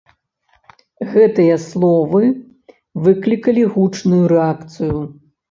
Гэтыя словы выклікалі гучную рэакцыю.